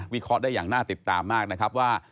เคราะห์ได้อย่างน่าติดตามมากนะครับว่า